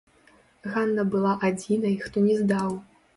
Ганна была адзінай, хто не здаў.